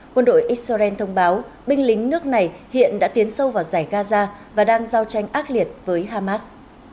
quân đội israel thông báo binh lính nước này hiện đã tiến sâu vào giải gaza và đang giao tranh ác liệt với hamas